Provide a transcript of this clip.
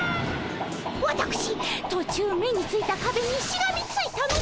わたくし途中目についたかべにしがみついたのですが。